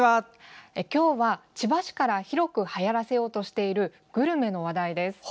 今日は千葉市から、広くはやらせようとしているグルメの話題です。